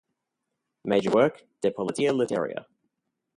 Major work: De Politeia Litteria.